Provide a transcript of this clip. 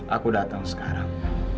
aku datang sekarang